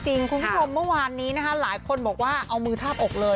คุณผู้ชมเมื่อวานนี้นะคะหลายคนบอกว่าเอามือทาบอกเลย